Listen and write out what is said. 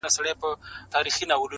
درد وچاته نه ورکوي’